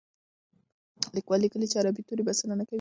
لیکوال لیکلي چې عربي توري بسنه نه کوي.